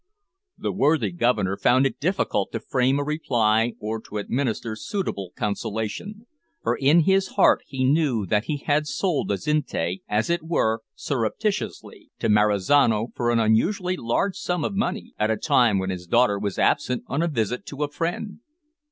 The worthy Governor found it difficult to frame a reply or to administer suitable consolation, for in his heart he knew that he had sold Azinte, as it were surreptitiously, to Marizano for an unusually large sum of money, at a time when his daughter was absent on a visit to a friend.